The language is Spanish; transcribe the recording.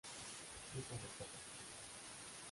Susan acepta.